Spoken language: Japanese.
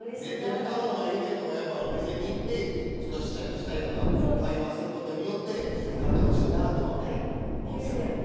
ネットで買うのもいいけどお店に行って試着したりとか会話をすることによって買ってほしいなとは。